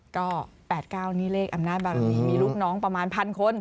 ก็๘๙นี่เลขอำนาจบารมีมีลูกน้องประมาณ๑๐๐คน